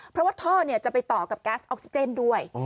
เพราะว่าท่อจะไปต่อกับแก๊สออกซิเจนด้วย